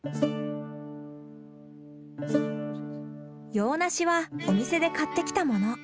洋梨はお店で買ってきたもの。